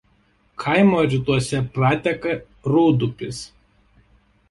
Kaimo rytuose prateka Rūdupis.